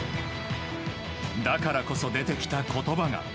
だからこそ出てきた言葉が。